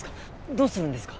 どうするんですか？